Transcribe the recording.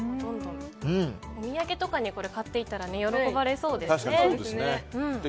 お土産とかに買って行ったら喜ばれそうですね。